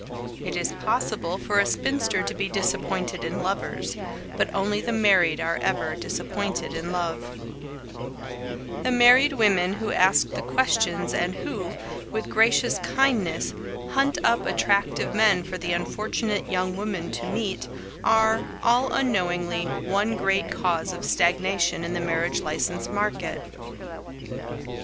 It is possible for a spinster to be disappointed in lovers, but only the married are ever disappointed in love. [Sidenote: A Cause of Stagnation] The married women who ask the questions and who, with gracious kindness, hunt up attractive men for the unfortunate young woman to meet, are, all unknowingly, one great cause of stagnation in the marriage license market.